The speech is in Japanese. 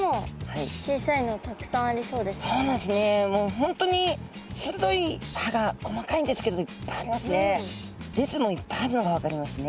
本当に鋭い歯が細かいんですけどいっぱいありますね。